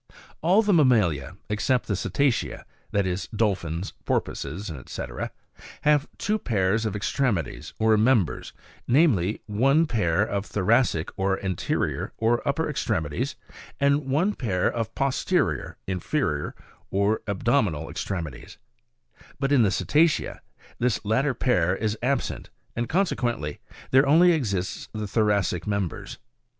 9. All the mammalia, except the cetacea, (that is, dolphins, porpoises, &c.) have two pairs of extremities or members, namely ; one pair of thoracic or anterior, or upper extremi ties, and one pair of posterior (inferior) or abdominal extremi ties; but in the cetacea this latter pair is absent, and conse quently, there only exists the thoracic members.